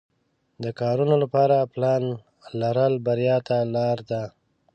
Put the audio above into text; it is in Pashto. د کارونو لپاره پلان لرل بریا ته لار ده.